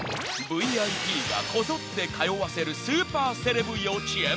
［ＶＩＰがこぞって通わせるスーパーセレブ幼稚園？］